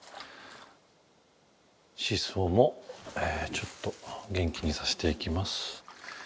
シソもちょっと元気にさせていきます。